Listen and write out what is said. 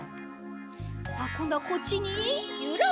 さあこんどはこっちにゆら！